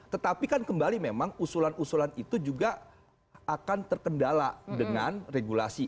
tetapi kan kembali memang usulan usulan itu juga akan terkendala dengan regulasi